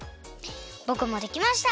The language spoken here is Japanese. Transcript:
ぼくもできました。